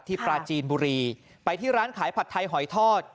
ปลาจีนบุรีไปที่ร้านขายผัดไทยหอยทอด